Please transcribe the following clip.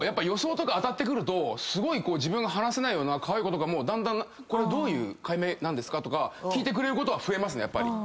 予想とか当たってくるとすごい自分が話せないようなカワイイ子とかもだんだん「これどういう買い目なんですか」とか聞いてくれることは増えますね。